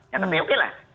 tapi oke lah